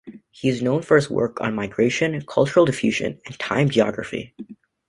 He is known for his work on migration, cultural diffusion and time geography.